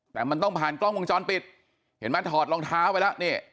แต่มันต้องผ่านกล้องวงจรปิดเห็นไหมถอดรองเท้าไปแล้วนี่